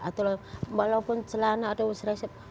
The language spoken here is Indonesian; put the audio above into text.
atau walaupun celana ada resip